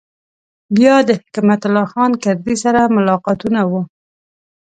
بیا د حکمت الله خان کرزي سره ملاقاتونه و.